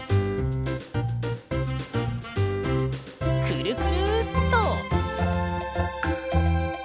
くるくるっと！